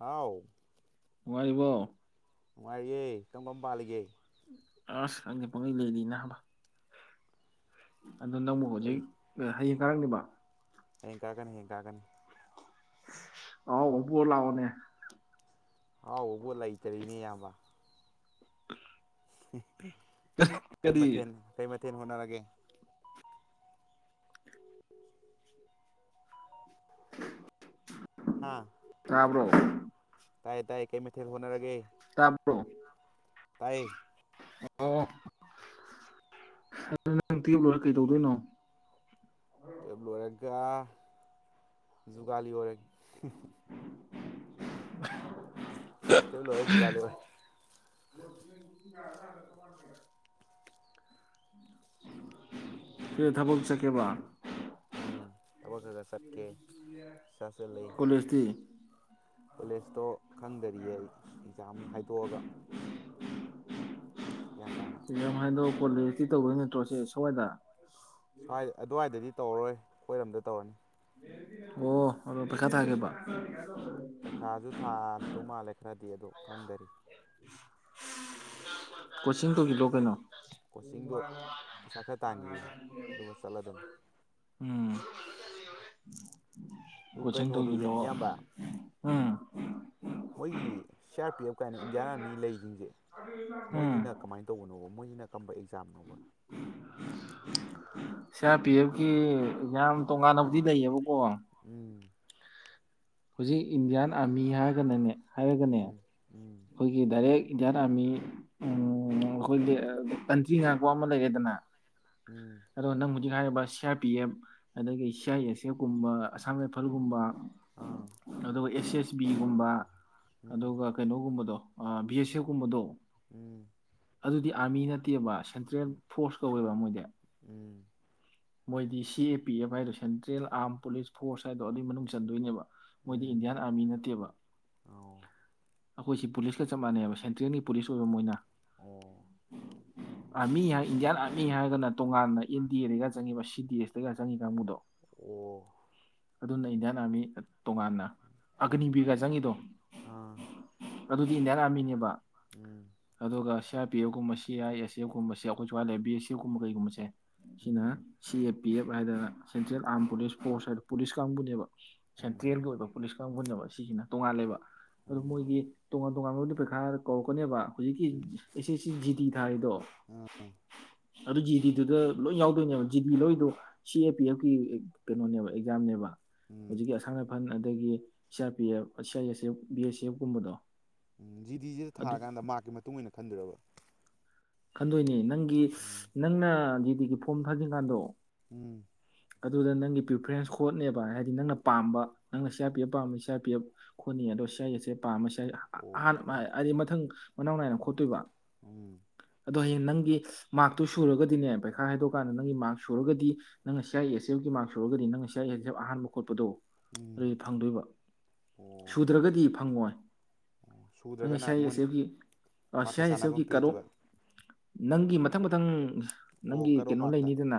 ꯍꯥꯎ ꯅꯨꯡꯉꯥꯏꯔꯤꯕ‌ꯣ ꯅꯨꯡꯉꯥꯏꯔꯤꯌꯦ ꯀꯔꯝ ꯀꯔꯝ ꯄꯥꯜꯂꯤꯒꯦ ꯑꯁ ꯈꯪꯗ‌ꯦ ꯄꯪꯂꯩ ꯂꯩꯔꯤ ꯅꯥꯕ ꯑꯗꯨ ꯅꯪꯕꯨ ꯍꯧꯖꯤꯛ ꯑꯥ ꯍꯥꯌꯦꯡ ꯉꯔꯥꯡꯅꯤꯕ ꯍꯥꯌꯦꯡ ꯀꯥꯔꯛ ꯀꯥꯅꯤ ꯍꯥꯌꯦꯡ ꯀꯥꯔꯛ ꯀꯥꯅꯤ ꯑꯥꯍꯥꯎꯕ ꯄꯨꯔꯥ ꯂꯥꯛ ꯑꯣꯅꯦ ꯍꯥꯎ ꯕꯨ ꯂꯩꯇꯥꯔꯤꯅꯦ ꯏꯌꯥꯝꯕ ꯑ‌ꯦ ꯀꯩ ꯀꯔꯤ ꯃꯊꯦꯜ ꯀꯩ ꯃꯊ‌ꯦ ꯊ‌ꯦꯜ ꯍ‌ꯣꯠ ꯅꯔꯒ‌ꯦ ꯍꯥꯥ ꯇꯥꯕ꯭ꯔꯣ ꯇꯥꯏ ꯇꯥꯏ ꯀꯩ ꯃꯦꯊꯦꯜ ꯍ‌ꯣꯠꯅꯔꯒꯦ ꯇꯥꯕ꯭ꯔꯣ ꯇꯥꯏꯌꯦ ꯑꯣ ꯑꯗꯨ ꯅꯪ ꯇꯨꯌꯦꯞ ꯂꯣꯏꯔ ꯀꯩꯗꯧꯗꯣꯏꯅꯣ ꯇꯨꯋꯦꯜꯕ ꯂꯣꯏꯔꯒ ꯖꯨꯒꯥꯂꯤ ꯑꯣꯏꯔꯒꯦ ꯇꯨꯋꯦꯜꯕ ꯂꯣꯏꯔꯒ ꯖꯨꯒꯥꯂꯤ ꯑꯣꯏꯒꯦ [unintelligible] ꯁꯤ ꯊꯕꯛ ꯆꯠꯀꯦꯕ ꯎꯝ ꯊꯕꯛ ꯈꯔ ꯈꯔ ꯆꯠꯀꯦ ꯀꯣꯂꯦꯖꯇꯤ ꯀꯣꯂꯦꯁꯇꯣ ꯈꯪꯗꯔꯤꯌꯦ ꯑꯩ ꯑꯦꯛꯖꯥꯝ ꯍꯥꯏꯗꯣꯛꯑꯒ [inaudible] ꯒ꯭ꯌꯥꯟ ꯇꯥꯅ ꯏꯖꯥꯝ ꯍꯥꯏꯗꯣ ꯀꯣꯂꯦꯁꯇꯤ ꯇꯧꯔꯣꯏ ꯅꯠꯇ꯭ꯔꯣ ꯁꯦ ꯁ꯭ꯋꯥꯏꯗ ꯁ꯭ꯋꯥꯏ ꯑꯗꯨꯋꯥꯏꯗꯗꯤ ꯇꯧꯔꯔꯣꯏ ꯑꯈꯣꯏ ꯔꯣꯝꯗ ꯇꯧꯔꯅꯤ ꯑꯣ ꯑꯗꯣ ꯄꯩꯈꯥ ꯊꯥꯒꯦꯕ ꯄꯩꯈꯥꯁꯨ ꯊꯥꯗꯣ ꯃꯥꯜꯂꯦ ꯈꯔꯗꯤ ꯑꯗꯣ ꯈꯪꯗꯔꯤ ꯀꯣꯆꯤꯡ ꯇꯧꯖꯤꯂꯣ ꯀꯩꯅꯣ ꯀꯣꯆꯤꯡꯗꯣ ꯄꯩꯁꯥ ꯈꯔ ꯇꯥꯟꯈꯤꯒꯦ ꯑꯗꯨꯒ ꯆꯠꯂꯗꯝ ꯎꯝ ꯑꯗꯨ ꯀꯣꯆꯤꯡ ꯀꯩꯅꯣꯗꯨ ꯇꯧꯖꯤꯜꯂꯣ ꯏꯌꯥꯝꯕ ꯎꯝ ꯃꯣꯏꯒꯤ ꯁꯤ ꯑꯥꯔ ꯄꯤ ꯑꯦꯐ ꯀꯥꯏꯅ ꯏꯟꯗꯤꯌꯥꯟ ꯑꯥ꯭ꫪꯃꯤ ꯂꯩꯁꯤꯡꯁꯦ ꯎꯝ ꯃꯣꯏꯁꯤꯅ ꯀꯃꯥꯏꯅ ꯇꯧꯕꯅꯣꯕ ꯃꯣꯏꯖꯤꯅ ꯀꯔꯝꯕ ꯑꯦꯛꯖꯥꯝꯅꯣꯕ [unintelligible] ꯁꯤ ꯑꯥꯔ ꯄꯤ ꯑꯦꯐꯀꯤ ꯑ‌ꯦꯛꯖꯥꯝ ꯇꯣꯉꯥꯟꯅꯕꯨꯗꯤ ꯂꯩꯌꯦꯕꯀꯣ ꯎꯝ ꯍꯨꯖꯤꯛ ꯏꯟꯗꯤꯌꯥꯟ ꯑꯥꯔꯃꯤ ꯍꯥꯏꯔꯒꯅꯅꯦ ꯍꯥꯏꯔꯒꯅꯦ ꯎꯝ ꯎꯝ ꯑꯩꯈꯣꯏꯒꯤ ꯗꯥꯏꯔꯦꯛ ꯏꯟꯗꯤꯌꯥꯟ ꯑꯥꯔꯃꯤ ꯎꯝ ꯑꯩꯈꯣꯏꯒꯤ ꯀꯟꯇ꯭ꯔꯤ ꯉꯥꯛꯄ ꯑꯃ ꯂꯩꯔꯦꯗꯅ ꯎꯝ ꯑꯗꯣ ꯅꯪꯕꯨ ꯍꯥꯏꯔꯤꯕ ꯁꯤ ꯑꯥꯔ ꯄꯤ ꯑꯦꯐ ꯑꯗꯒꯤ ꯁꯤ ꯑꯥꯏ ꯑꯦꯁ ꯑꯦꯐ ꯀꯨꯝꯕ ꯑꯁꯥꯝ ꯔꯥꯏꯐꯜꯒꯨꯝꯕ ꯑꯥ ꯑꯗꯨꯒ ꯑꯦꯁ ꯑꯦꯁ ꯁꯤ ꯕꯤ ꯏꯒꯨꯝꯕ ꯎꯝ ꯑꯗꯨꯒ ꯒꯨꯝꯕꯗꯣ ꯑꯥ ꯕꯤ ꯑꯦꯁ ꯑꯦꯐꯀꯨꯝꯕꯗꯣ ꯎꯝ ꯑꯗꯨꯗꯤ ꯑꯥꯔꯃꯤ ꯅꯠꯇꯦꯕ ꯑꯁ ꯁꯦꯟꯇ꯭ꯔꯦꯜ ꯐꯣꯔꯁ ꯀꯧꯋꯦꯕ ꯃꯣꯏꯗꯤ ꯎꯝ ꯎꯝ ꯃꯣꯏꯗꯤ ꯁꯤ ꯑꯦ ꯄꯤ ꯑꯦꯐ ꯍꯥꯏꯗꯣ ꯁꯦꯟꯇ꯭ꯔꯦꯜ ꯑꯥꯝ ꯄꯨꯂꯤꯁ ꯐꯣꯔꯁ ꯍꯥꯏꯗꯣ ꯑꯗꯨꯏ ꯃꯅꯨꯡ ꯆꯟꯗꯣꯏꯅꯦꯕ ꯃꯣꯏꯗꯤ ꯎꯝ ꯏꯟꯗꯤꯌꯥꯟ ꯑꯥꯔꯃꯤ ꯅꯠꯇꯦꯕ ꯑꯣ ꯑꯩꯈꯣꯏꯁꯤ ꯄꯨꯂꯤꯁꯀ ꯆꯞ ꯃꯥꯟꯅꯩꯕ ꯁꯦꯟꯇ꯭ꯔꯦꯜꯒꯤ ꯄꯨꯂꯤꯁ ꯑꯣꯏꯕ ꯃꯣꯏꯅ ꯑꯣ [inaudible] ꯑꯥꯔꯃꯤ ꯍꯥꯏ ꯏꯟꯗꯤꯌꯥꯟ ꯑꯥꯔꯃꯤ ꯍꯥꯏꯔꯒꯅ ꯇꯣꯉꯥꯟꯅ ꯑꯦꯟ ꯗꯤ ꯑꯦ [inaudible] ꯆꯪꯉꯤꯕ ꯁꯤ ꯗꯤ ꯑꯦꯁꯇꯒ ꯆꯪꯉꯤ ꯀꯥꯡꯕꯨꯗꯣ ꯑꯣ ꯑꯗꯨꯅ ꯏꯟꯗꯤꯌꯥꯟ ꯑꯥꯔꯃꯤ ꯇꯣꯉꯥꯟꯅ ꯎꯝ ꯑꯒꯅꯤꯕꯤꯔꯒ ꯆꯪꯉꯤꯗꯣ ꯑꯥ ꯑꯗꯨꯗꯤ ꯏꯟꯗꯤꯌꯥꯟ ꯑꯥꯔꯃꯤꯅꯦꯕ ꯎꯝ ꯑꯗꯨꯒ ꯁꯤ R P ꯑꯦꯞꯀꯨꯝꯕ C I A ꯁꯤ ꯑꯦꯞꯀꯨꯝꯕꯁꯦ ꯑꯩꯈꯣꯏ ꯁ꯭ꯋꯥꯏ ꯂꯩ ꯕꯤ ꯑꯦꯁ ꯑꯦꯞꯀꯨꯝꯕ ꯀꯩꯒꯨꯝꯕꯁꯦ ꯁꯤꯅ ꯎꯝ ꯁꯤ ꯑꯦ ꯄꯤ ꯑꯦꯞ ꯍꯥꯏꯗꯅ ꯁꯦꯟꯇ꯭ꯔꯦꯜ ꯑꯥꯝ ꯄꯨꯂꯤꯁ ꯐꯣꯔꯁ ꯍꯥꯏꯗꯅ ꯄꯨꯂꯤꯁ ꯀꯥꯡꯕꯨꯅꯦꯕ ꯎꯝ ꯁꯦꯟꯇ꯭ꯔꯦꯜꯒꯤ ꯑꯣꯏꯕ ꯄꯨꯂꯤꯁ ꯀꯥꯡꯕꯨꯅꯦꯕ ꯁꯤꯁꯤꯅ ꯇꯣꯉꯥꯂꯦꯕ ꯑꯗꯨ ꯎꯝ ꯃꯣꯏꯒꯤ ꯇꯣꯉꯥꯟ-ꯇꯣꯉꯥꯟꯕꯕꯨꯗꯤ ꯄꯩꯈꯥ ꯀꯧꯔꯛꯀꯅꯦꯕ ꯍꯨꯖꯤꯛꯀꯤ ꯎꯝ ꯑꯦꯁꯦꯁꯤ ꯖꯤꯗꯤ ꯇꯥꯥꯔꯤꯗꯣ ꯑꯥ ꯑ ꯑꯗꯨ ꯖꯤ ꯗꯤꯗꯨꯗ ꯂꯣꯏ ꯌꯥꯎꯗꯣꯏꯅꯦꯕ ꯖꯤꯗꯤ ꯂꯣꯏꯗꯣ ꯁꯤ ꯑꯦ ꯄꯤ ꯑꯦꯞꯀꯤ ꯑ ꯀꯩꯅꯣꯅꯦꯕ ꯑꯦꯛꯖꯥꯝꯅꯦꯕ ꯎꯝ ꯍꯧꯖꯤꯛꯀꯤ ꯑꯁꯥꯝ ꯔꯥꯏꯐꯜ ꯑꯗꯒꯤ ꯁꯤ R P F C I S F B S F ꯀꯨꯝꯕꯗꯣ ꯎꯝ ꯖꯤ ꯗꯤꯖ‌ꯦ ꯊꯥꯔꯀꯥꯟꯗ ꯃꯥ꯭ꫪꯛꯀꯤ ꯃꯇꯨꯡ ꯏꯟꯅꯥ ꯈꯟꯗ‌ꯣꯏ ꯔꯥꯕ ꯈꯟꯗꯣꯏꯅ‌ꯦ꯫ ꯅꯪꯒꯤ ꯅꯪꯅ ꯖꯤ ꯒꯤ ꯐꯣꯝ ꯊꯥꯖꯤꯟ ꯀꯥꯟꯗꯣ꯫ ꯎꯝ ꯑꯗꯨꯗ ꯅꯪꯒꯤ ꯄ꯭ꯔꯤꯐꯔꯦꯟꯁ ꯈꯣꯠꯅꯦꯕ ꯍꯥꯏꯗꯤ ꯅꯪꯅ ꯑꯣ ꯄꯥꯝꯕ ꯅꯪꯅ ꯁꯤꯎꯔꯄꯤꯑꯕ ꯄꯥꯝꯃꯤ ꯁꯤꯎꯔꯄꯤꯕ ꯈꯣꯗꯅꯤ ꯑꯗꯣ ꯁꯤ ꯑ ꯑꯥꯁ ꯑꯕ ꯄꯥꯝ ꯑꯍꯥꯟꯕ ꯑꯣꯀꯦ [unintelligible] ꯍꯥꯏꯗꯤ ꯃꯊꯪ ꯃꯅꯥꯎ ꯅꯥꯏꯅ ꯈꯣꯠꯇꯣꯏꯕ ꯎꯝ ꯑꯗꯣ ꯍꯌꯦꯡ ꯅꯪꯒꯤ ꯃꯥꯔꯛꯇꯨ ꯁꯨꯔꯒꯗꯤꯅꯦ ꯄꯩꯈꯥ ꯍꯥꯏꯗꯣꯛꯑꯀꯥꯟꯗ ꯅꯪꯒꯤ ꯃꯥꯔꯛ ꯁꯨꯔꯒꯗꯤ ꯅꯪꯅ ꯁꯤ ꯑꯥꯏ ꯑꯦꯁ ꯑꯦꯐꯒꯤ ꯃꯥꯔꯁ ꯁꯨꯔꯒ ꯅꯪ ꯁꯤ ꯑꯥꯏ ꯑꯦ ꯑꯍꯥꯟꯕ ꯈꯣꯠꯄꯗꯣ ꯎꯝ ꯑꯗꯨꯗꯨ ꯐꯪꯗꯣꯏꯕ ꯑꯣ ꯁꯨꯗ꯭ꯔꯒꯗꯤ ꯐꯪꯉꯣꯏꯣ ꯅꯥꯡꯟ ꯁꯤ ꯁꯨꯗ꯭ꯔꯒꯅ ꯌꯥꯏ ꯑꯥꯁ ꯃꯣꯏꯅ ꯑꯕꯀꯤ ꯃꯥꯔꯛꯀ ꯁꯤꯌꯥ ꯆꯥꯟꯅꯕ ꯑꯁꯦꯐꯀꯤ ꯑꯃ ꯀꯠ ꯑꯣꯕ ꯄꯤꯔꯛꯇꯣꯏꯕ ꯅꯪꯒꯤ ꯃꯊꯪ ꯃꯊꯪ ꯑꯣ ꯅꯪꯒꯤ ꯀꯔꯣ ꯀꯩꯅꯣ ꯃꯥꯔꯛꯇ ꯂꯩꯅꯤꯗꯅ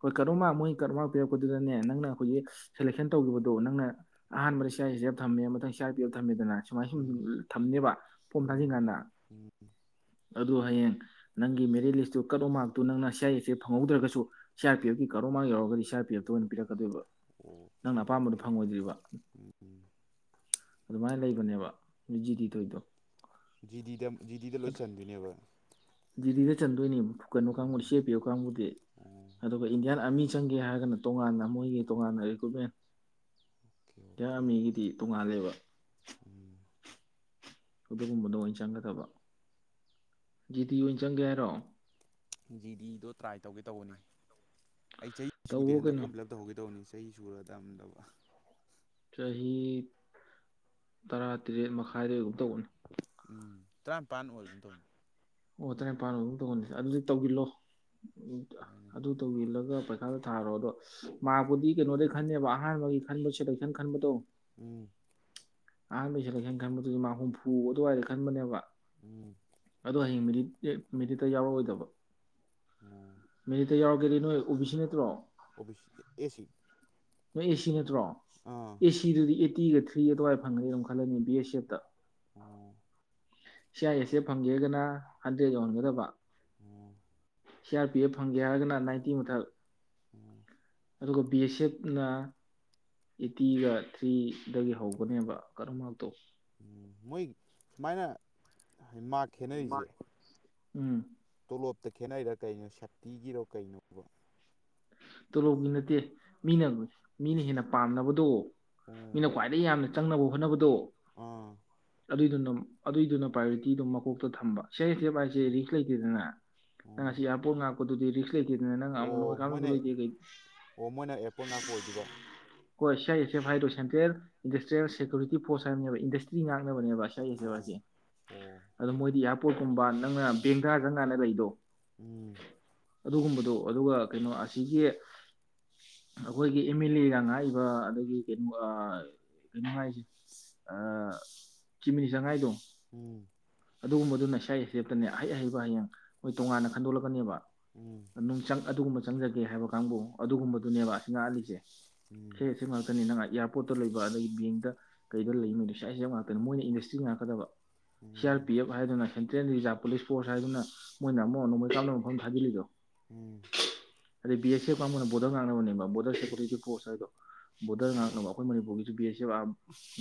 ꯍꯣꯏ ꯀ ꯀꯔ ꯑꯃ ꯃꯣꯏ ꯀꯔꯠ ꯑꯃ ꯄꯤꯔꯛꯄꯗꯨꯗꯅꯦ ꯅꯪꯅ ꯑꯩꯈꯖꯤꯛ ꯁꯦꯂꯦꯛꯁꯟ ꯇꯧꯈꯤꯕꯗꯣ ꯅꯪꯅ ꯑꯍꯥꯟꯕꯗ ꯏꯁꯥꯏ ꯁꯤꯦꯞ ꯊꯝꯃꯦ ꯃꯊꯪ ꯏꯁꯥꯥꯏ ꯄꯤꯔꯞ ꯊꯝꯃꯦꯗꯅ ꯁꯨꯃꯥꯏꯅ ꯁꯨꯝ ꯎꯝ ꯊꯝꯅꯦꯕ ꯄꯣꯝ ꯎꯝ ꯊꯥꯖꯤꯟꯀꯥꯟꯗ ꯎꯝ ꯑꯗꯨ ꯍꯌꯦꯡ ꯅꯪꯒꯤ ꯃꯦꯔꯤꯠ ꯂꯤꯁꯇꯨ ꯀꯠꯂ ꯑꯣ ꯃꯥꯔꯛꯇꯨ ꯅꯪꯅ ꯁꯤ ꯑꯥꯔ ꯑꯦꯐꯁꯦ ꯐꯪꯍꯧꯗ꯭ꯔꯒꯁꯨ ꯁꯤ ꯑꯥꯔ ꯄꯤ ꯑꯦꯐꯀꯤ ꯀꯔꯣꯃ ꯌꯥꯎꯔꯒꯗꯤ ꯁꯤ ꯑꯥꯔ ꯄꯤ ꯑꯦꯐꯇ ꯑꯣꯏꯅ ꯄꯤꯔꯛꯀꯗꯣꯏꯕ ꯅꯪꯅ ꯑꯣꯀꯦ ꯑꯄꯥꯝꯕꯗꯣ ꯑꯣꯀꯦ ꯐꯪꯉꯣꯏꯗ꯭ꯔꯤꯕ ꯎꯝ ꯑꯗꯨꯃꯥꯏꯅ ꯂꯩꯕꯅꯦꯕ ꯍꯧꯔꯤꯖꯤꯇꯤ ꯊꯣꯏꯗꯣ ꯖꯤꯗꯤꯗ ꯖꯤꯗꯤꯗ ꯂꯣꯏ ꯆꯟꯗꯣꯏꯅꯦꯕ ꯗꯤꯜꯂꯤꯗ ꯆꯟꯗꯣꯏꯅꯤ ꯀꯩꯅꯣ ꯀꯥꯡꯕꯨꯗꯤ ꯁꯤ ꯎꯝ ꯑꯦ ꯄꯤ ꯑꯣꯐ ꯀꯥꯡꯕꯨꯗꯤ ꯑꯣꯀꯦ ꯑꯗꯨꯒ ꯏꯟꯗꯤꯌꯥꯟ ꯑꯥꯔꯃꯤ ꯆꯪꯒꯦ ꯍꯥꯏꯔꯒꯅ ꯇꯣꯉꯥꯟꯅ ꯃꯣꯏꯒꯤ ꯇꯣꯉꯥꯟꯅ ꯔꯤꯀ꯭ꯔꯨꯠꯃꯦꯟ ꯏꯟꯗꯤꯌꯟ ꯑꯣꯀꯦ ꯑꯔꯃꯤꯒꯤꯗꯤ ꯇꯣꯉꯥꯟ ꯂꯩꯕ ꯎꯝ ꯑꯗꯨꯒꯨꯝꯕꯗꯣ ꯑꯣꯏꯅ ꯆꯪꯒꯗꯕ ꯖꯤꯗꯤ ꯑꯣꯏꯅ ꯆꯪꯒꯦ ꯍꯥꯏꯔꯣ ꯖꯤꯗꯤꯗꯣ ꯇ꯭ꯔꯥꯏ ꯇꯧꯒꯦ ꯇꯧꯕꯅꯤ ꯑꯩ ꯆꯍꯤ ꯁꯨꯗꯦ ꯇꯧꯋꯣ ꯍꯟꯗꯛ ꯀꯩꯅꯣ ꯐꯣꯝꯤꯂꯞ ꯇꯥꯍꯧꯒꯦ ꯗꯧꯕꯅꯤ ꯆꯩ ꯁꯨꯔ ꯇꯝꯗꯕ ꯆꯍꯤ ꯇꯔꯥꯇꯔꯦꯠ ꯃꯈꯥꯏꯗꯒꯨꯝ ꯇꯧꯕꯅꯤ ꯎꯝ ꯇꯔꯥꯅꯤꯄꯥꯟ ꯑꯣꯏꯒꯨꯝ ꯇꯧꯕꯅꯤ ꯑꯣ ꯇꯔꯥꯅꯤꯄꯥꯟ ꯑꯗꯨꯝ ꯇꯧꯒꯟꯅꯤꯁꯦ ꯑꯗꯨꯗꯤ ꯇꯧꯈꯤꯂꯣ ꯍꯣꯏꯅꯦ ꯑꯗꯨ ꯇꯧꯖꯤꯜꯂꯒ ꯄꯩꯈꯥꯗ ꯊꯥꯔꯣ ꯑꯗꯣ ꯃꯍꯥꯛꯄꯨꯗꯤ ꯀꯩꯅꯣꯗꯒꯤꯩ ꯈꯟꯅꯦꯕ ꯑꯍꯥꯟꯕꯒꯤ ꯈꯟꯕ ꯁꯦꯂꯦꯛꯁꯟ ꯈꯟꯕꯗꯣ ꯎꯝ ꯑꯍꯥꯟꯕꯩ ꯁꯦꯂꯦꯛꯁꯟ ꯈꯟꯕꯗꯨꯗꯤ ꯃꯥ ꯍꯨꯝꯐꯨ ꯑꯗꯨꯋꯥꯏꯗ ꯈꯟꯕꯅꯦꯕ ꯎꯝ ꯑꯗꯣ ꯍꯌꯦꯡ ꯃꯦꯔꯤꯠ ꯃꯦꯔꯤꯠꯇ ꯌꯥꯎꯔꯛꯑꯣꯏꯗꯕ ꯑꯣ ꯃꯦꯔꯤꯇꯥ ꯌꯥꯎ ꯍꯥꯏꯗꯤ ꯅꯣꯏ ꯑꯣꯕꯤꯁꯤ ꯅꯇ꯭ꯔꯣ ꯑꯣꯕꯤ ꯑꯦꯁꯤꯅꯤ ꯅꯣꯏ ꯑꯦꯁꯤ ꯅꯠꯇ꯭ꯔꯣ ꯑꯦꯁꯤꯗꯨꯗꯤ ꯑꯥꯇꯤꯒ ꯊ꯭ꯔꯤ ꯑꯗꯨꯋꯥꯏ ꯐꯪꯒꯅꯤ ꯑꯗꯨꯝ ꯈꯜꯂꯅꯤ ꯕꯤ ꯑꯦꯁ ꯑꯦꯐꯇ ꯎꯝ ꯁꯤ ꯑꯥꯏ ꯑꯦꯁ ꯑꯦ ꯐꯪꯒꯦꯒꯅ ꯍꯟꯗ꯭ꯔꯦꯗ ꯌꯧꯍꯟꯒꯗꯕ ꯑꯣ ꯁꯤ ꯑꯥꯔ ꯄꯤ ꯑꯦꯐ ꯐꯪꯒꯦ ꯍꯥꯏꯔꯒꯅ ꯅꯥꯏꯟꯇꯤ ꯃꯊꯛ ꯎꯝ ꯑꯗꯨꯒ ꯕꯤ ꯑꯦꯁ ꯑꯦꯐꯅ ꯑꯦꯠꯇꯤꯒ ꯊ꯭ꯔꯤꯗꯒꯤ ꯍꯧꯒꯅꯦꯕ ꯀꯔ ꯃꯔꯛꯇꯣ ꯎꯝ ꯃꯣꯏ ꯁꯨꯃꯥꯏꯅ ꯍꯥꯏ ꯃꯥ ꯈꯦꯠꯅꯔꯤꯁꯦ ꯎꯝ ꯀꯣꯞꯇ ꯈꯦꯠꯅꯩꯔꯥ ꯀꯩꯅꯣ ꯁꯛꯇꯤꯒꯤꯔꯣ ꯀꯩꯅꯣꯕ ꯇꯣꯂꯣꯞꯕꯤ ꯅꯠꯇꯦ ꯃꯤꯅ ꯃꯤꯅ ꯍꯦꯟꯅ ꯄꯥꯝꯅꯕꯗꯣ ꯃꯤꯅ ꯈ꯭ꯋꯥꯏꯗꯒꯤ ꯌꯥꯝꯅ ꯆꯪꯅꯕ ꯍꯣꯠꯅꯕꯗꯣ ꯑꯣꯥ ꯑꯗꯨꯏꯗꯨꯅ ꯑꯗꯨꯏꯗꯨꯅ ꯄ꯭ꯔꯥꯏꯌꯣꯔꯤꯇꯤꯗꯨꯝ ꯃꯀꯣꯛꯇ ꯊꯝꯕ ꯆꯩꯁꯦꯕꯥ ꯍꯥꯏꯁꯦ ꯔꯤꯛꯁ ꯂꯩꯇꯦꯗꯅ ꯅꯪ ꯎꯝ ꯉꯁꯤ ꯏꯌꯥꯔꯄꯣꯔꯠ ꯉꯥꯛꯄꯗꯨꯗꯤ ꯔꯤꯛꯁ ꯑꯃ ꯑꯣ ꯃꯣꯏꯅ ꯑꯣ ꯃꯣꯏꯅ ꯑꯦꯛꯄꯣꯔ ꯉꯥꯛꯄ ꯑꯣꯏꯗꯕ ꯍꯣꯏ ꯁꯤ ꯑꯥꯏ ꯑꯦꯁ ꯑꯦꯐ ꯍꯥꯏꯔꯣ ꯁꯦꯟꯇ꯭ꯔꯦꯜ ꯏꯟꯗꯁꯇ꯭ꯔꯤꯌꯦ ꯁꯦꯀ꯭ꯌꯨꯔꯤꯇꯤ ꯐꯣꯔꯁ ꯍꯥꯏꯕꯅꯦꯕ ꯏꯟꯗꯁꯇ꯭ꯔꯤ ꯉꯥꯛꯅꯕꯅꯦꯕ ꯥꯏꯁꯦ ꯑꯣ ꯋꯥꯁꯦ ꯑꯣ ꯑꯗꯣ ꯃꯣꯏꯗꯤ ꯌꯥꯝ ꯄꯣꯠꯀꯨꯝꯕ ꯅꯪꯅ ꯕꯦꯡ ꯊꯥꯖꯪ ꯀꯥꯟꯅ ꯂꯩꯗꯣ ꯎꯝ ꯑꯗꯨꯒꯨꯝꯕꯗꯣ ꯑꯗꯨꯒ ꯀꯩꯅꯣ ꯑꯁꯤꯒꯤꯒꯤ ꯑꯩꯈꯣꯏꯒꯤ ꯑꯦꯝ ꯑꯦꯜ ꯑꯦꯒ ꯉꯥꯛꯏꯕ ꯑꯗꯒꯤ ꯀꯩꯅꯣ ꯀꯩꯅꯣ ꯍꯥꯏꯥꯏꯁꯦ ꯆꯤꯞ ꯃꯤꯅꯤꯁꯇꯔ ꯉꯥꯏꯗꯣ ꯎꯝ ꯑꯗꯨꯒꯨꯝꯕꯗꯨꯅ ꯏꯁꯥꯥꯏꯁꯦꯞꯇꯅꯦ ꯑꯍꯩ ꯑꯍꯩꯕ ꯍꯌꯦꯡ ꯃꯣꯏ ꯇꯣꯉꯥꯟꯅ ꯈꯟꯗꯣꯛꯂꯛꯀꯅꯦꯕ ꯎꯝ ꯅꯨꯡꯆꯪ ꯑꯗꯨꯒꯨꯝꯕ ꯆꯪꯖꯒꯦ ꯍꯥꯏꯕ ꯀꯥꯡꯕꯨ ꯑꯗꯨꯒꯨꯝꯕꯗꯨꯅꯦꯕ ꯑꯁꯤ ꯉꯥꯛꯍꯜꯂꯤꯁꯦ ꯎꯝ ꯑꯁꯦꯡ ꯑꯥꯁꯦꯡꯕ ꯉꯥꯛꯇꯥꯅꯦ ꯄꯣꯠꯇ ꯂꯩꯕ ꯑꯗꯒꯤ ꯕꯦꯡꯗ ꯀꯩꯗ ꯂꯩꯕ ꯃꯣꯏꯗ ꯁꯋꯥꯏ ꯁꯥ ꯉꯥꯛꯇꯅꯤ ꯃꯣꯏꯅ ꯏꯟꯗꯁꯇ꯭ꯔꯤ ꯉꯥꯛꯀꯗꯕ ꯁꯤ ꯑꯥꯔ ꯄꯤ ꯑꯦꯐ ꯍꯥꯏꯗꯨꯅ ꯁꯦꯟꯇ꯭ꯔꯦꯜ ꯔꯤꯖꯥꯕ ꯄꯨꯂꯤꯁ ꯐꯣꯔꯁ ꯍꯥꯏꯗꯨꯅ ꯃꯣꯏꯅ ꯑꯃꯨꯛ ꯅꯣꯡꯃꯩ ꯀꯥꯞꯅꯕ ꯃꯐꯝ ꯊꯥꯖꯤꯜꯂꯤꯗꯣ ꯎꯝ ꯑꯗ ꯕꯤ ꯑꯦꯁ ꯑꯦꯐ ꯀꯪꯕꯨꯅ ꯕꯣꯔꯗꯔ ꯉꯥꯛꯅꯕꯅꯦꯕ ꯕꯣ ꯁꯦꯀꯨꯔꯤꯇꯤ ꯐꯣꯔꯁ ꯕꯣꯔꯗꯔ ꯑꯣ ꯉꯥꯛꯅꯕ ꯑꯩꯈꯣꯏ ꯃꯅꯤꯄꯨꯔꯒꯤꯁꯨ ꯁꯤꯕ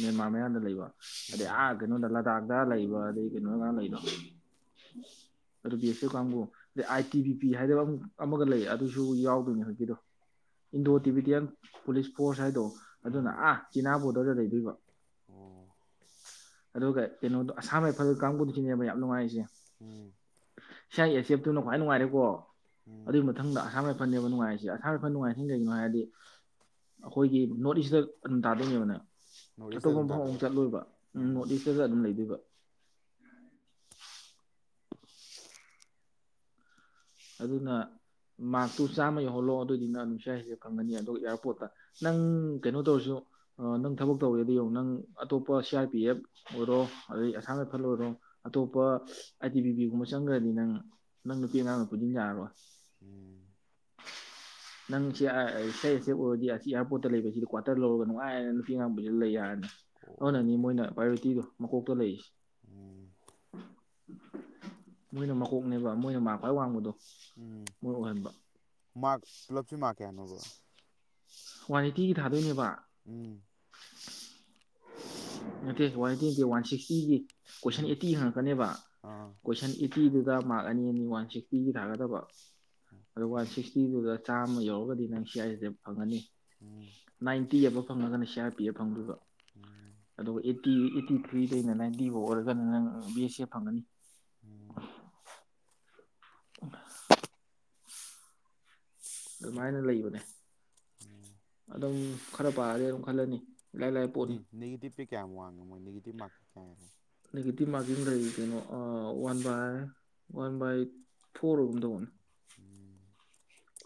ꯃꯦꯟꯃꯥꯔ ꯃꯌꯥꯗ ꯂꯩꯕ ꯎꯝ ꯑꯥ ꯀꯩꯅꯣꯗ ꯂꯥꯗꯥꯛꯇ ꯂꯩꯕ ꯑꯗꯩ ꯀꯩꯅꯣꯒ ꯉꯔꯥꯡ ꯂꯩꯗꯣ ꯑꯗꯨ ꯕꯤ ꯑꯦꯁ ꯑꯦꯐ ꯀꯥꯡꯕꯨ ꯑꯗꯩ ꯑꯥꯏ ꯇꯤ ꯕꯤ ꯄꯤ ꯍꯥꯏꯕ ꯑꯃ ꯑꯃꯒ ꯂꯩ ꯑꯗꯨꯁꯨ ꯌꯥꯎꯗꯣꯏꯅꯦ ꯍꯧꯖꯤꯛꯀꯤꯗꯣ ꯏꯟꯗꯣ ꯎꯝ ꯇꯤꯕꯤꯇꯤꯌꯥꯟ ꯄꯨꯂꯤꯁ ꯐꯣꯔꯁ ꯍꯥꯏꯗꯣ ꯑꯗꯨꯅ ꯎꯝ ꯑ ꯆꯤꯅꯥ ꯕꫭ ꯇꯗ ꯂꯩꯗꫭꯏꯕ ꯑꯣ ꯑꯗꯨꯒ ꯀꯩꯅꯣꯗꯣ ꯑꯁꯥꯝ ꯔꯥꯏ [unintelligible] ꯀꯥꯡꯕꯨꯁꯤꯅꯦꯕ ꯌꯥꯝ ꯅꯨꯡꯉꯥꯏꯔꯤꯁꯦ ꯎꯝ ꯁꯤ ꯑꯥꯏ ꯑꯦꯁ ꯑꯦꯐ ꯇꯨꯅ ꯈ꯭ꯋꯥꯏ ꯅꯨꯡꯉꯥꯏꯔꯦꯀꯣ ꯎꯝ ꯑꯗꯨꯒꯤ ꯃꯊꯪꯗ ꯑꯁꯥꯝ ꯔꯥꯏ ꯐꯟ ꯅꯦꯕꯥ ꯅꯨꯡꯉꯥꯏꯔꯤꯁꯦ ꯑꯁꯥꯝ ꯔꯥꯏꯐꯜꯅ ꯅꯨꯡꯉꯥꯏꯔꯤꯁꯦ ꯀꯩꯒꯤꯅꫭ ꯍꯥꯏꯔꯗꯤꯒꯤ ꯑꯩꯈꯣꯏꯒꯤ ꯅꯣꯔꯠ ꯏꯁꯇ ꯑꯗꯨꯝ ꯇꯥꯗꫭꯏꯅꯦꯕ ꯅꯪ ꯅꯣꯔꯠ ꯏꯁꯇ ꯑꯇꯣꯞꯄ ꯑꯗꯨꯝ ꯃꯐꯝ ꯑꯃꯨꯛ ꯇꯥꯗꯣꯏꯕ ꯆꯠꯂꯣꯏꯕ ꯎꯝ ꯅꯣꯔꯠ ꯏꯁꯇꯗ ꯑꯗꯨꯝ ꯂꯩꯗꯣꯏꯕ ꯑꯗꯨꯅ ꯃꯥꯛꯇꯨ ꯆꯥꯝꯃ ꯌꯧꯍꯜꯂꯣ ꯑꯗꯨꯑꯣꯏꯗꯤ ꯅꯪ ꯑꯗꯨꯝ ꯁꯤ ꯑꯥꯏ ꯑꯦꯁ ꯑꯦꯐ ꯐꯪꯒꯅꯤ ꯑꯗꯨꯒ ꯏꯌꯥꯔꯄꯣꯔꯠꯇ ꯅꯪ ꯀꯩꯅꯣ ꯇꯧꯔꯁꯨ ꯅꯪ ꯊꯕꯛ ꯇꯧꯔꯦꯗꯤ ꯌꯦꯡꯉꯨ ꯅꯪ ꯑꯇꯣꯞꯄ ꯁꯤ ꯑꯥꯔ ꯄꯤ ꯑꯦꯐ ꯑꯣꯏꯔꯣ ꯑꯗꯩ ꯑꯁꯥꯝ ꯔꯥꯏꯐꯜ ꯑꯣꯏꯔꯣ ꯑꯇꯣꯞꯄ ꯑꯥꯏ ꯇꯤ ꯄꯤ ꯄꯤ ꯒꯨꯝꯕ ꯆꯪꯈ꯭ꯔꯗꯤ ꯅꯪ ꯅꯪ ꯅꯨꯄꯤ ꯑꯉꯥꯡ ꯄꯨꯖꯤꯟ ꯌꯥꯥꯔꯔꯣꯏ ꯎꯝ ꯅꯪ C I C I S F ꯑꯣꯏꯔꯗꯤ ꯑꯁꯤ ꯏꯌꯥꯔꯄꯣꯔꯠꯇ ꯂꯩꯕꯁꯤꯗꯤ ꯀ꯭ꯋꯥꯇꯔ ꯂꯧꯔꯒ ꯅꯨꯡꯉꯥꯏꯅ ꯅꯨꯄꯤ ꯑꯉꯥꯡ ꯄꯨꯁꯤꯜꯗ ꯂꯩ ꯌꯥꯔꯅꯤ ꯑꯣ ꯑꯗꯨꯅꯅꯤ ꯃꯣꯏꯅ ꯄ꯭ꯔꯥꯏꯌꯣꯔꯤꯇꯤꯗꯣ ꯃꯀꯣꯛꯇ ꯂꯩꯔꯤꯁꯦ ꯎꯝ ꯃꯣꯏꯅ ꯃꯀꯣꯛꯅꯦꯕ ꯃꯣꯏꯅ ꯃꯥꯔꯛ ꯈ꯭ꯋꯥꯏ ꯋꯥꯡꯕ ꯗꯣ ꯃꫭꯏ ꯑꯣꯏꯍꯟꯕ ꯃꯥꯛ ꯄꯨꯂꯞꯁꯤ ꯃꯥꯛ ꯀꯌꯥꯅꯣꯕ ꯋꯥꯟ ꯑꯩꯇꯤꯒꯤ ꯊꯥꯗꯣꯏꯅꯦꯕ ꯎꯝ ꯏꯝ ꯅꯠꯇꯦ ꯋꯥꯟ ꯑꯩꯇꯤꯒꯤ ꯅꯠꯇꯦ ꯋꯥꯟ ꯁꯤꯛꯁꯇꯤꯒꯤ ꯀꯣꯏꯁꯟ ꯎꯝ ꯑꯦꯠꯇꯤ ꯍꯪꯉꯛꯀꯅꯦꯕ ꯑꯥ ꯀꯣꯏꯁꯟ ꯑꯦ ꯇꯤꯗꯨꯗ ꯃꯥꯔꯛ ꯑꯅꯤ ꯑꯅꯤ ꯋꯥꯟ ꯁꯤꯛꯁꯇꯤꯒꯤ ꯊꯥꯒꯗꯕ ꯑꯗ ꯑꯣꯀꯦ ꯋꯥꯟ ꯁꯤꯁꯇꯤꯗꯨꯗ ꯆꯥꯝꯃ ꯌꯧꯔꯒꯗꯤ ꯅꯪ ꯁꯤ ꯑꯥꯏ ꯑꯦꯁ ꯑꯦꯐ ꯐꯪꯉꯅꯤ ꯎꯝ ꯇꯤ ꯑꯕꯕ ꯐꯪꯉꯒꯅ ꯅꯪ ꯁꯤ ꯑꯥꯔ ꯄꯤ ꯑꯦꯐ ꯐꯪꯗꯣꯏꯕ ꯎꯝ ꯑꯗꯨꯒ ꯑꯩꯠꯇꯤ ꯑꯩꯠꯇꯤ ꯊ꯭ꯔꯤꯗꯩꯅ ꯅꯥꯏꯟꯇꯤ ꯐꯥꯎ ꯑꯣꯏꯔꯒꯅ ꯅꯪ ꯕꯤ ꯑꯦꯁ ꯑꯦꯐ ꯐꯪꯒꯅꯤ [unintelligible] [inaudible] ꯑꯗꯨꯃꯥꯏꯅ ꯂꯩꯕꯅꯦ ꯎꯝ ꯑꯗꯨꯝ ꯈꯔ ꯄꯥꯔꯗꯤ ꯑꯗꯨꯝ ꯈꯜꯂꯅꯤ ꯏꯂꯥꯏ ꯂꯥꯏ ꯅꯦ ꯄꯣꯠꯅꯤ ꯅꯦꯒꯦꯇꯤꯚ ꯀꯌꯥꯝ ꯋꯥꯡꯒꯦ ꯃꯣꯏ ꯅꯦꯒꯦꯇꯤꯞ ꯃꯥꯔꯛꯀꯤꯡ ꯀꯌꯥ [unintelligible] ꯅꯦꯒꯦꯇꯤꯞ ꯃꯥꯔꯀꯤꯡ ꯂꯩ ꯀꯩꯅꯣ one by one by four ꯑꫭꯏꯒꯨꯝ ꯇꯧꯕꯅꯤ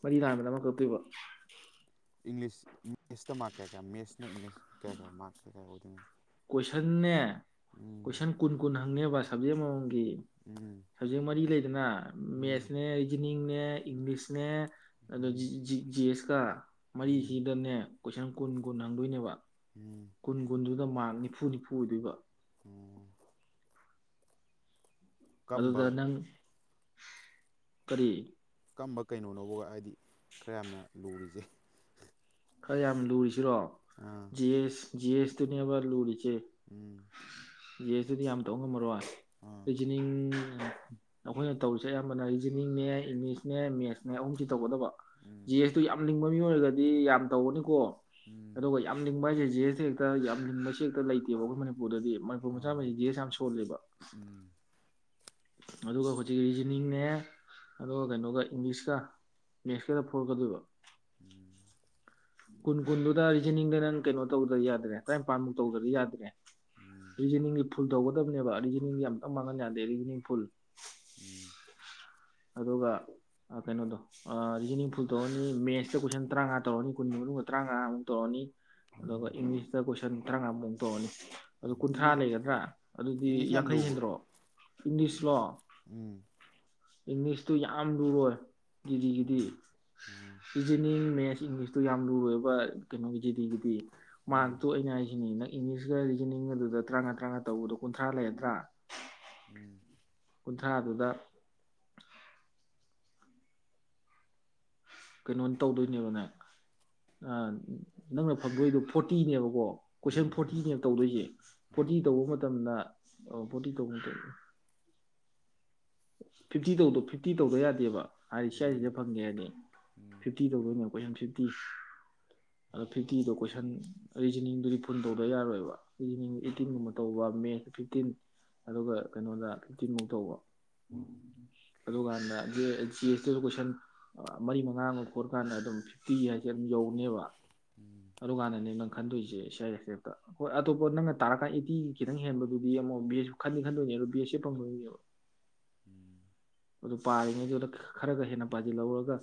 ꯃꯔꯤ ꯂꯥꯟꯕꯗ ꯑꯃ ꯀꯛꯇꯣꯏꯕ ꯏꯪꯂꯤꯁꯦꯇ ꯃꯛ ꯀꯦ ꯅꯣ ꯏꯪꯂꯤꯁ ꯀꯌꯥ ꯀꯌꯥ ꯃꯥꯔ ꯀꯌꯥ ꯀꯌꯥ ꯑꯣꯏ꯫ [inaudible] ꯀꯣꯏꯁꯟꯅꯦ ꯀꯣꯢꯁꯟ ꯀꯨꯟ ꯀꯨꯟ ꯍꯥꯏ ꯍꯪꯉꯦꯕ ꯁꯖꯦꯛ ꯑꯃ ꯃꯃ ꯎꯝ ꯁꯕꯖꯦꯛ ꯃꯔꯤ ꯂꯩ ꯅꯥ ꯎꯝ ꯃꯦꯠꯅꯦ ꯔꯤꯖꯅꯤꯡ ꯅꯦ ꯏꯪꯂꯤꯁꯅꯦ ꯑꯗꯣ ꯖꯤ ꯑꯦꯁ ꯆꯥ ꯎꯝ ꯎꯝ ꯃꯔꯤꯁꯤꯗꯅꯦ ꯀꯣꯏꯁꯟ ꯀꯨꯟ ꯀꯨꯟ ꯍꯪꯗꯣꯏꯅꯦꯕ꯫ ꯎꯝ ꯀꯨꯟꯀꯨꯟꯗꯨ ꯑꯗ‌ꯣ ꯃꯥꯥꯟ ꯅꯤꯐꯨ ꯅꯤꯐꯨ ꯑꯣꯏꯗꯣꯏꯕ ‌ꯑꯣ‌꯬꯬ ꯑꯗꯨꯗ ꯅꯪ ꯀꯔꯤ ꯀꯝꯕ ꯀꯩꯅꯣꯅꯣꯕ ꯍꯥꯏꯗꯤ ꯈꯔ ꯌꯥꯝꯅ ꯂꯨꯔꯤꯁꯦ ꯈꯔ ꯌꯥꯝ ꯂꯨꯔꯤꯁꯦ꯫ ꯁꯤꯔꯣ ꯑꯥ ꯖꯤ ꯑꯦꯁ ꯖꯤ ꯑꯦꯁ ꯇꯨꯅꯦꯕ ꯂꯨꯔꯤꯁꯤ ꯎꯝ ꯖꯤ ꯑꯦꯁꯇꯨꯗꯤ ꯌꯥꯝ ꯇꯧ ꯉꯝꯃꯔꯣꯏ꯫ ꯑꯥ ꯔꯤꯖꯟꯅꯤꯡ ꯑꯩꯈꯣꯏꯅ ꯇꯧꯔꯤꯁꯦ ꯑꯌꯥꯝꯕꯅ ꯔꯤꯖꯟꯅꯤꯡꯅꯦ ꯏꯪꯂꯤꯁꯅꯦ ꯃꯦꯠꯁꯅꯦ ꯑꯍꯨꯝꯁꯤ ꯇꯧꯒꯗꯕ ꯎꯝ ꯖꯤ ꯑꯦꯁꯇꯣ ꯌꯥꯝ ꯂꯤꯡ ꯃꯤ ꯑꯣꯏꯔꯒꯗꯤ ꯌꯥꯝ ꯇꯧꯕꯥꯅꯤꯀ‌ꯣ ꯎꯝ ꯑꯗꯨꯒ ꯌꯥꯝ ꯂꯤꯡꯕ ꯍꯥꯏꯁꯦ꯫ ꯖꯤ ꯑꯦꯁ ꯍꯦꯛꯇ ꯌꯥꯝ ꯂꯤꯡꯕꯕꯁꯦ ꯍꯦꯛꯇ ꯂꯩꯇꯦꯕ ꯑꯩꯈꯣꯏ ꯃꯅꯤꯄꯨꯔꯗꯗꯤ꯫ ꯃꯅꯤꯄꯨꯔ ꯑꯥ ꯃꯆꯥ ꯒꯩꯁꯦ ꯖꯤ ꯑꯦꯁ ꯌꯥꯝ ꯁꯣꯜꯂꯦꯕ ꯎꯝ ꯑꯗꯨꯒ ꯍꯧꯖꯤꯛ ꯔꯤꯖꯅꯤꯡꯅꯦ ꯑꯗꯨꯒ ꯀꯩꯅꯣꯒ ꯏꯪꯂꯤꯁꯀ ꯃꯦꯠꯁꯀꯗ ꯐꯨꯒꯠꯀꯗꯣꯏꯕ꯫ ꯎꯝ ꯀꯨꯟ ꯀꯨꯟꯗꯨꯗ ꯔꯤꯖꯅꯤꯡꯗ ꯅꯪ ꯀꯩꯅꯣ ꯇꯧꯗ꯭ꯔꯗꯤ ꯌꯥꯗ꯭ꯔꯦ ꯇꯔꯥꯅꯤꯄꯥꯟꯃꯨꯛ ꯇꯧꯗ꯭ꯔꯗꯤ ꯌꯥꯗ꯭ꯔꯦ ꯎꯝ ꯔꯤꯖꯅꯤꯡꯒꯤ ꯐꯨꯜ ꯇꯧꯒꯗꯕꯅꯦꯕ ꯔꯤꯖꯅꯤꯡꯗꯤ ꯌꯥꯝꯄꯥꯛ ꯃꯥꯡꯍꯟ ꯌꯥꯗꯦ ꯔꯤꯖꯅꯤꯡ ꯐꯨꯜ ꯎꯝ꯫ ꯑꯗꯨꯒ ꯀꯩꯅꯣꯗꯣ ꯔꯤꯖꯅꯤꯡ ꯐꯨꯜ ꯇꯧꯔꯅꯤ ꯃꯦꯠꯁꯇ ꯀꯣꯏꯁꯟ ꯇꯔꯥꯃꯉꯥ ꯇꯧꯔꯅꯤ ꯀꯨꯟꯒꯤ ꯃꯅꯨꯡꯗ ꯇꯔꯥꯃꯉꯥꯃꯨꯛ ꯇꯧꯔꯅꯤ ꯑꯗꯨꯒ ꯎꯝ ꯏꯪꯂꯤꯁꯇ ꯀꯣꯏꯁꯟ ꯇꯔꯥꯃꯉꯥꯃꯨꯛꯃꯨꯛ ꯇꯧꯔꯅꯤ꯫ ꯑꯗꯨ ꯎꯝ ꯀꯨꯟꯊ꯭ꯔꯥ ꯏꯪꯂꯤꯁ ꯂꯩꯔꯗ꯭ꯔꯥ ꯑꯗꯨꯗꯤ ꯏꯪꯂꯤꯁ ꯌꯥꯝ ꯌꯥꯡꯈꯩ ꯂꯨꯕ꯭ꯔꯣ ꯍꯦꯟꯗ꯭ꯔꯣ ꯏꯪꯂꯤꯁꯂꯣ? ꯎꯝ ꯏꯪꯂꯤꯁ ꯇꯨ ꯌꯥꯝ ꯂꯨꯔꯣꯏ ꯄꯤꯖꯤꯒꯤꯗꯤ ꯎꯝ ꯎꯝ ꯔꯣꯖꯅꯤꯡ ꯃꯦꯠꯁ ꯑꯩꯁ ꯏꯪꯂꯤꯁꯇꯣ ꯌꯥꯝ ꯂꯨꯔꯣꯏꯕ ꯀꯩꯅꯣꯒꯤ ꯄꯤꯖꯤꯒꯤꯗꯤ꯫ ꯎꯝ ꯃꯥꯔꯛꯇꯣ ꯑꯩꯅ ꯍꯥꯏꯁꯤꯅꯤ ꯅꯪ ꯏꯪꯂꯤꯁꯀ ꯔꯤꯖꯅꯤꯡꯒꯗꯨꯗ ꯇꯔꯥꯉꯥ ꯇꯔꯥꯉꯥ ꯇꯧꯕꯗꯣ ꯀꯨꯟꯊ꯭ꯔꯥ ꯂꯩꯔꯗ꯭ꯔꯥ ꯀꯨꯟꯊ꯭ꯔꯥꯗꯨꯗ ꯀꯩꯅꯣꯅꯤ ꯇꯧꯗꯣꯏꯅꯦꯕ ꯅ ꯅꯪꯅ ꯐꯪꯗꯣꯏꯗꯣ ꯐꯣꯔꯇꯤꯅꯦꯕꯀꯣ ꯎꯝ ꯀꯣꯏꯁꯟ ꯎꯝ ꯐꯣꯔꯇꯤꯅꯦ ꯇꯧꯗꯣꯏꯁꯦ ꯐꯣꯔꯇꯤ ꯑꯥ ꯇꯧꯕ ꯃꯇꯝꯗ [unintelligible] ꯐꯤꯐꯇꯤ ꯇꯧꯗꯣ ꯐꯤꯐꯇꯤ ꯇꯧꯗ ꯌꯥꯗꯦꯕ ꯍꯥꯏꯗꯤ ꯁꯤꯌꯥꯏꯗ ꯎꯝ ꯐꯪꯒꯦ ꯍꯥꯏꯔꯗꯤ ꯎꯝ ꯐꯤꯐꯇꯤ ꯇꯧꯗꯣꯏꯅꯦ ꯀꯣꯏꯁꯟ ꯐꯤꯐꯇꯤ ꯑꯗꯣ ꯐꯤꯐꯇꯤꯗꯣ ꯀꯣꯏꯁꯟ ꯔꯤꯖꯅꯤꯡꯗꯨꯗꯤ ꯐꯨꯟ ꯇꯧꯗ ꯌꯥꯔꯣꯏꯕ ꯔꯤꯖꯅꯤꯡꯗꯨ ꯑꯩꯠꯇꯤꯟꯒꯨꯝꯕ ꯇꯧꯕ ꯃꯦꯠꯗ ꯐꯤꯞꯇꯤꯟ ꯑꯗꯨꯒ ꯀꯩꯅꯣꯗ ꯐꯤꯞꯇꯤꯟꯃꯨꯛ ꯇꯧꯕ꯫ ꯑꯗꯨꯀꯥꯟꯗ ꯖꯤ ꯑꯦꯁꯇꯁꯨ ꯀꯣꯏꯁꯟ ꯃꯔꯤ ꯃꯉꯥ ꯑꯃꯛ ꯈꯣꯠꯀꯥꯟꯗ ꯑꯗꯨꯝ ꯐꯤꯐꯇꯤ ꯍꯥꯏꯁꯦ ꯑꯗꯨꯝ ꯌꯧꯅꯦꯕ ꯑꯗꯨꯀꯥꯟꯗꯅꯦ ꯅꯪ ꯈꯟꯗꯣꯏꯁꯦ ꯁꯤ ꯑꯥꯏ ꯑꯦꯁꯦꯇ ꯍꯣꯏ ꯑꯇꯣꯞꯄ ꯅꯪꯅ ꯇꯥꯔꯀꯥꯟꯗ ꯑꯩꯠꯇꯤ ꯈꯤꯇꯪ ꯍꯦꯟꯕꯗꯨꯗꯤ ꯑꯃꯨꯛ ꯕꯤ ꯑꯦꯁ ꯈꯟꯅꯤ ꯈꯟꯗꯣꯏꯅꯦ ꯑꯗꯣ ꯕꯤ ꯑꯦꯁꯁꯦ ꯐꯪꯗꯣꯏꯅꯦꯕ꯫ ꯎꯝ ꯑꯗꯨ ꯄꯥꯔꯤꯉꯩꯗꯨꯗ ꯈꯔꯒ ꯍꯦꯟꯅ ꯄꯥꯁꯤꯜ ꯍꯧꯔꯒ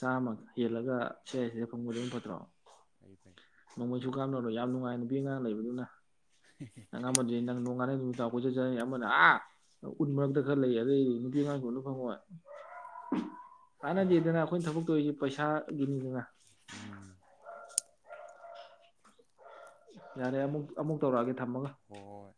ꯆꯥꯝꯃ ꯍꯦꯜꯂꯒ ꯁꯤ ꯑꯥꯏ ꯁꯦꯞ ꯐꯪꯕꯗꯨꯅ ꯐꯠꯇ꯭ꯔꯣ꯫ ꯐꯩ ꯐꯩ ꯅꯣꯡꯃꯩꯁꯨ ꯀꯥꯞ [unintelligible] ꯑꯣ ꯌꯥꯝ ꯅꯨꯡꯉꯥꯏ ꯅꯨꯄꯤ ꯑꯉꯥꯡ ꯂꯩꯕꯅꯤꯅ꯫ ꯅꯪ ꯑꯃꯗꯤ ꯅꯪ ꯅꯣꯡꯉꯥꯟ ꯕꯗꯒꯤ ꯅꯨꯃꯤꯠ ꯇꯥꯐꯥ ꯀꯣꯆꯠ ꯆꯠꯂꯅꯤ ꯑꯃꯅ ꯑꯥ ꯎꯟ ꯃꯔꯛꯇ ꯈꯔ ꯂꯩ ꯑꯗꯩꯗꯤ ꯅꯨꯄꯤ ꯑꯉꯥꯡꯁꯨ ꯍꯣꯢ ꯍꯣꯢ ꯀꯥꯟꯅꯗꯦꯗꯅ ꯑꯩꯈꯣꯏꯅ ꯊꯕꯛ [unintelligible] ꯄꯩꯁꯥꯒꯤꯅꯤꯗꯅ ꯎꯝ꯫ ꯌꯥꯔꯦ ꯑꯃꯨꯛ ꯑꯃꯨꯛ ꯇꯧꯔꯛꯑꯒꯦ ꯊꯝꯃꯒ ꯍꯣ ꯍꯣꯏ꯫